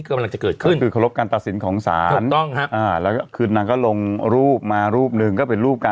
เคารพการตัดสินว่าวันนี้โอเคล่ะ